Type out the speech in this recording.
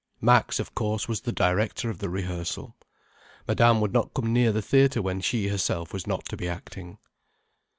Max of course was the director of the rehearsal. Madame would not come near the theatre when she herself was not to be acting.